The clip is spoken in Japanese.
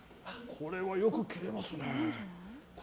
これはよく切れますね。